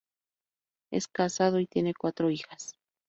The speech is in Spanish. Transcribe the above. Es casado y tiene cuatro hijas.